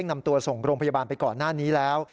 นำตัวส่งโรงพยาบาลไปก่อนหน้านี้แล้ว